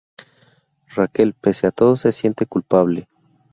Raquel, pese a todo, se siente culpable.